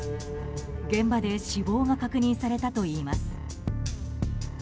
現場で死亡が確認されたといいます。